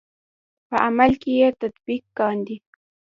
په عمل کې یې تطبیق کاندئ.